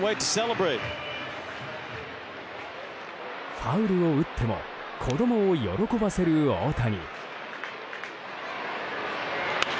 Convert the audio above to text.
ファウルを打っても子供を喜ばせる大谷。